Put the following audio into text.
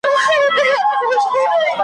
چا ښرا وه راته کړې جهاني عمر دي ډېر سه .